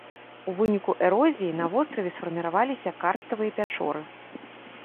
У выніку эрозіі на востраве сфарміраваліся карставыя пячоры.